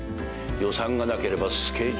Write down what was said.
予算がなければスケジュールもない。